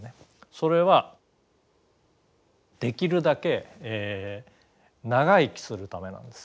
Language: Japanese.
それはできるだけ長生きするためなんです。